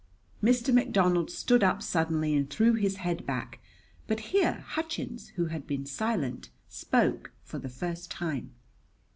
Mr. McDonald stood up suddenly and threw his head back; but here Hutchins, who had been silent, spoke for the first time.